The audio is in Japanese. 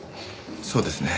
そうですね。